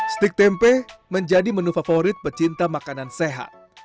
stik tempe menjadi menu favorit pecinta makanan sehat